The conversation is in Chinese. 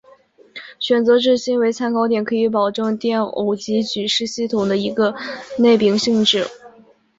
选择质心为参考点可以保证电偶极矩是系统的一个内禀性质。